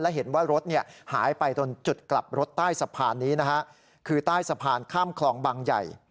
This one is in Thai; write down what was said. เห็นว่ารถหายไปตรงจุดกลับรถใต้สะพานนี้นะฮะคือใต้สะพานข้ามคลองบางใหญ่